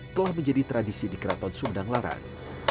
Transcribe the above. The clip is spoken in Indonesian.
telah menjadi tradisi di keraton sumedang larang